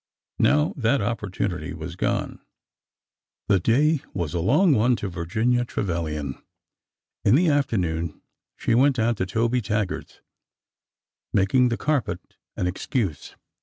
Now— that opportunity was gone. 235 236 ORDER NO. 11 The day was a long one to Virginia Trevilian. In the afternoon, she went down to Tobe Taggart's, making the carpet an excuse.